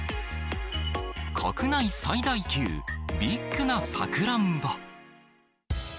国内最大級、ビッグなさくらんぼ。